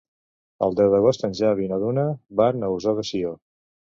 El deu d'agost en Xavi i na Duna van a Ossó de Sió.